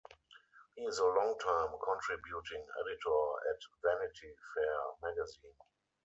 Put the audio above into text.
He is a longtime contributing editor at "Vanity Fair" magazine.